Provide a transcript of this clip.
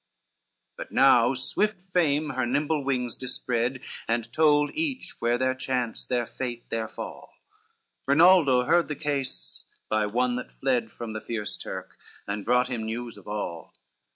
CI But now swift fame her nimble wings dispread, And told eachwhere their chance, their fate, their fall, Rinaldo heard the case, by one that fled From the fierce Turk and brought him news of all.